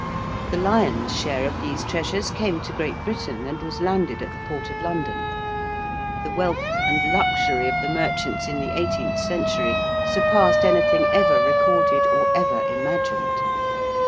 The lion's share of these treasures came to Great Britain and was landed at the Port of London. The wealth and luxury of the merchants in the eighteenth century surpassed anything ever recorded or ever imagined.